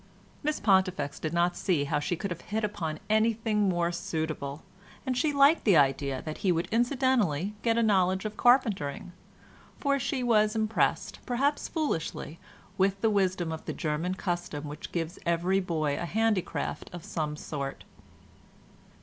Miss Pontifex did not see how she could have hit upon anything more suitable, and she liked the idea that he would incidentally get a knowledge of carpentering, for she was impressed, perhaps foolishly, with the wisdom of the German custom which gives every boy a handicraft of some sort.